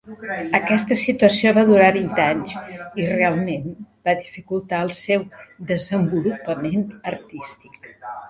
Aquesta situació va durar vint anys i realment va dificultar el seu desenvolupament artístic.